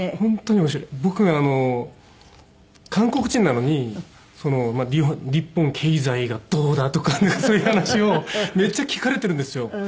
僕あの韓国人なのに日本経済がどうだとかなんかそういう話をめっちゃ聞かれてるんですよ。